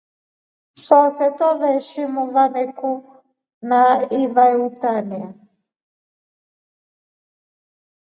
Sooso dwevaeshimu wameku na iva utranga.